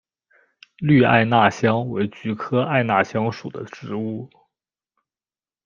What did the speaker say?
绿艾纳香为菊科艾纳香属的植物。